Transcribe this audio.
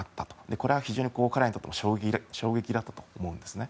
これは非常に彼らにとっても衝撃だったと思うんですね。